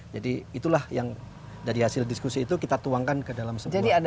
jadi itulah yang dari hasil diskusi itu kita tuangkan ke dalam sebuah proyek